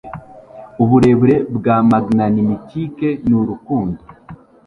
Uburebure bwa magnanimitike nurukundo